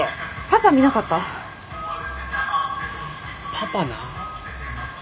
パパな。